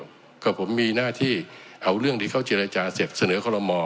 ก็ผมมีหน้าที่เอาเรื่องที่เขาเจรจาเสร็จเสนอคอลโลมอ